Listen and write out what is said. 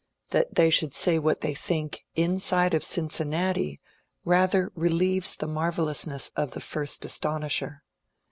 That they should say what they think, inside of Cincinnati, rather relieves the marvellousness of the first astonisher.